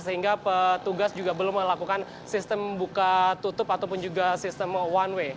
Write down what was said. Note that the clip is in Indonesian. sehingga petugas juga belum melakukan sistem buka tutup ataupun juga sistem one way